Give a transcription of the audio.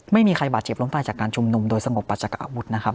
ไม่มีใครบาดเจ็บล้มตายจากการชุมนุมโดยสงบปัจจักรอาวุธนะครับ